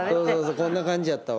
こんな感じやったわ。